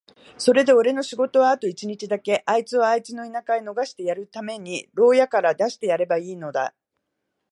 それでおれの仕事はあと一日だけ、あいつをあいつの田舎へ逃してやるために牢屋から出してやればいいのだ。